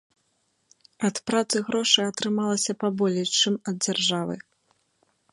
Ад працы грошай атрымалася паболей, чым ад дзяржавы.